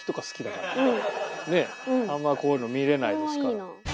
ねえあんまりこういうの見れないですから。